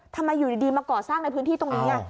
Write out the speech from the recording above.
ทำไมอยู่ดีมาก่อสร้างในพื้นที่ตรงนี้